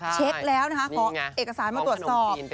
เช็คแล้วนะคะขอเอกสารมาตรวจสอบ